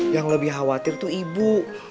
yang lebih khawatir itu ibu